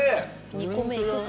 ２個目いくか。